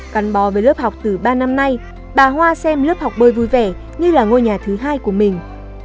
cắn bò với lớp học từ ba năm nay bà hoa xem lớp học bơi vui vẻ như là ngôi nhà thứ hai của mình